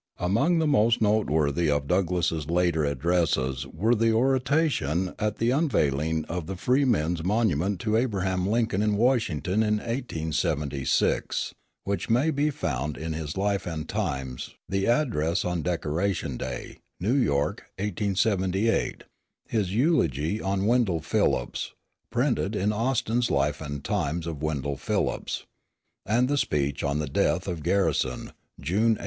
Among the most noteworthy of Douglass's later addresses were the oration at the unveiling of the Freedmen's Monument to Abraham Lincoln in Washington in 1876, which may be found in his Life and Times; the address on Decoration Day, New York, 1878; his eulogy on Wendell Phillips, printed in Austin's Life and Times of Wendell Phillips; and the speech on the death of Garrison, June, 1879.